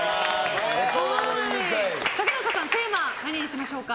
竹中さん、テーマは何にしましょうか。